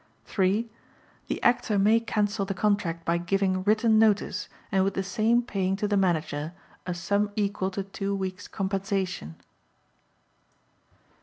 (3) The Actor may cancel the contract by giving written notice and with the same paying to the Manager a sum equal to two weeks' compensation.